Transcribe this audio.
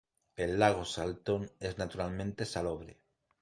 El lago Salton es naturalmente salobre.